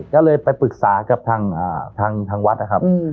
ก็เลยไปปรึกษากับทางอ่าทางทางวัดอ่ะครับอืม